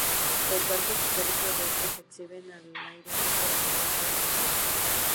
Los barcos históricos reales se exhiben al aire libre alrededor del museo.